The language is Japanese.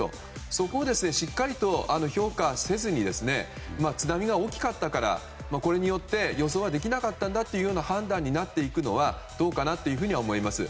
そこをしっかりと評価せずに津波が大きかったからこれによって予想できなかったという判断になっていくのはどうかなというふうには思います。